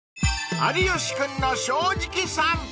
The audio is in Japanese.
［『有吉くんの正直さんぽ』